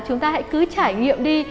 chúng ta hãy cứ trải nghiệm đi